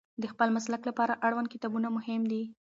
د خپل مسلک لپاره اړوند کتابونه مهم دي.